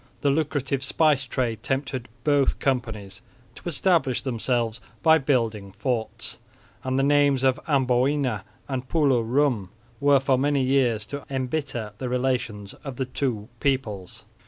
The lucrative spice trade tempted both companies to establish themselves by building forts; and the names of Amboina and Pulo Rum were for many years to embitter the relations of the two peoples.